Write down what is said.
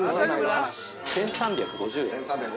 ◆１３５０円。